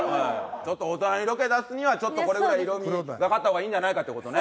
ちょっと大人の色気出すにはちょっとこれぐらい色味がかった方がいいんじゃないかっていう事ね。